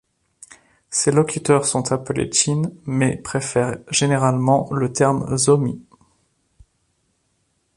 Ses locuteurs sont appelés Chin mais préfèrent généralement le terme Zomi.